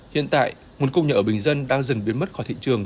hiện tại nguồn cung nhà ở bình dân đang dần biến mất khỏi thị trường